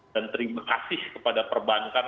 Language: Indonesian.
dan terima kasih kepada perbankan